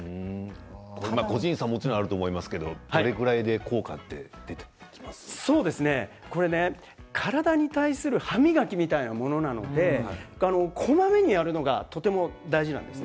個人差はもちろんあると思いますがこれね体に対する歯磨きみたいなものなのでこまめにやるのがとても大事なんです。